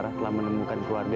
udah kamu aja